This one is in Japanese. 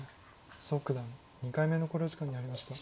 蘇九段２回目の考慮時間に入りました。